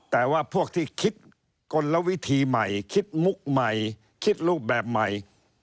แต่ว่าพวกที่คิดกลวิธีใหม่คิดมุกใหม่คิดรูปแบบใหม่